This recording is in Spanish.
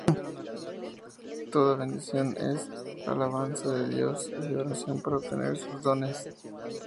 Toda bendición es alabanza de Dios y oración para obtener sus dones.